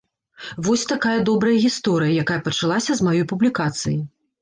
Вось такая добрая гісторыя, якая пачалася з маёй публікацыі.